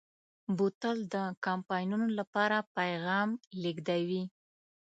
بوتل د کمپاینونو لپاره پیغام لېږدوي.